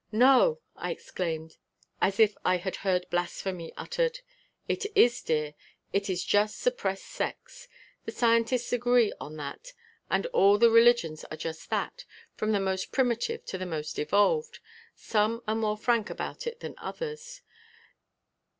"No!" I exclaimed as if I had heard blasphemy uttered. "It is, dear, it is just suppressed sex. The scientists agree on that and all the religions are just that, from the most primitive to the most evolved. Some are more frank about it than others.